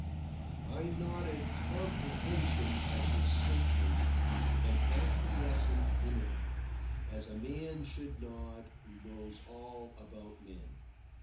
I nodded comprehension of his statement, and acquiescence in it, as a man should nod who knows all about men.